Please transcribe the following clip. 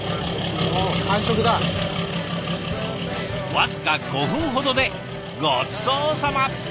僅か５分ほどでごちそうさま。